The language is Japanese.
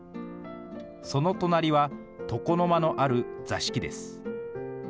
その隣は床の間のある座敷です。